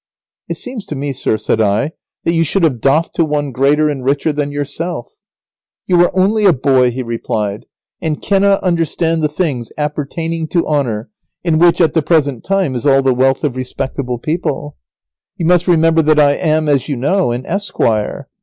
"It seems to me, sir," said I, "that you should have doffed to one greater and richer than yourself." [Sidenote: The esquire expounds his views of honour to Lazaro.] "You are only a boy," he replied, "and cannot understand the things appertaining to honour in which, at the present time, is all the wealth of respectable people. You must remember that I am, as you know, an esquire.